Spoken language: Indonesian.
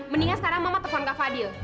mendingan sekarang mama telepon kak fadil